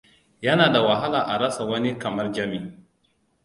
Yana da wahala a rasa wani kamar Jami.